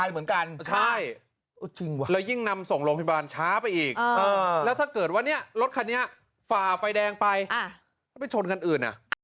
ไม่ชนกันอื่น